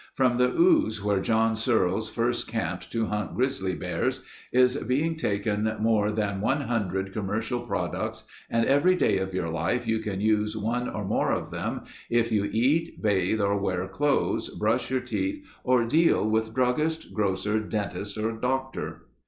From the ooze where John Searles first camped to hunt grizzly bears, is being taken more than 100 commercial products and every day of your life you use one or more of them if you eat, bathe, or wear clothes, brush your teeth or deal with druggist, grocer, dentist or doctor.